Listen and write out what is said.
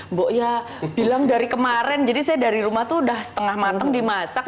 mbok ya bilang dari kemarin jadi saya dari rumah tuh udah setengah mateng dimasak